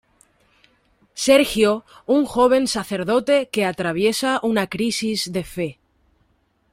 Sergio, un joven sacerdote que atraviesa una crisis de fe.